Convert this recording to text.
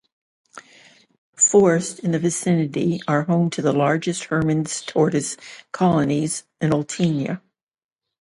Forests in the vicinity are home to the largest Herman's Tortoise colonies in Oltenia.